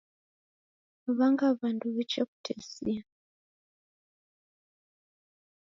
W'anga w'andu w'iche kutesia.